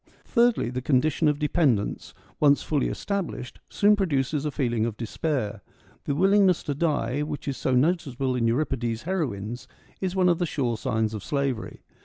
Thirdly, the condition of dependence, once fully established, soon produces a feeling of despair. The willingness to die, which is so noticeable in Euripides' heroines, is one of the sure signs of slavery.